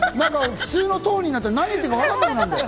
普通のトーンになったら何言ってるかわかんなくなったよ。